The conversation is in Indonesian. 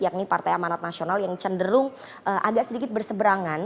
yakni partai amanat nasional yang cenderung agak sedikit berseberangan